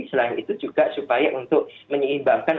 selain itu juga supaya untuk menyeimbangkan